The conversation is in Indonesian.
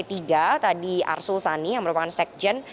tadi arsul sani yang merupakan sekjen